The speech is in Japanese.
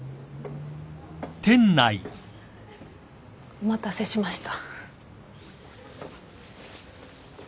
お待たせしました。